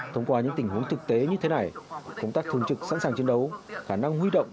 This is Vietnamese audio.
thông qua những tình huống thực tế như thế này công tác thường trực sẵn sàng chiến đấu khả năng huy động